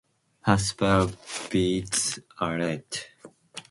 Her spell beads are red.